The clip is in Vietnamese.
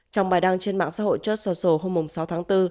trong bài đăng trên mạng xã hội church social hôm sáu tháng bốn